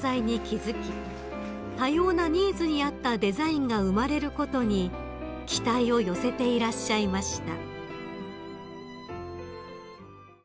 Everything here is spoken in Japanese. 多様なニーズに合ったデザインが生まれることに期待を寄せていらっしゃいました］